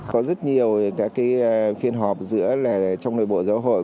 có rất nhiều các phiên họp giữa trong nội bộ giáo hội